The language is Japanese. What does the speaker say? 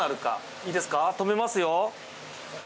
いいですか止めますよ。